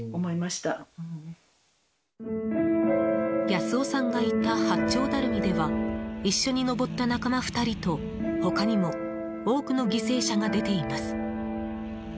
保男さんがいた八丁ダルミでは一緒に登った仲間２人と他にも多くの犠牲者が出ています。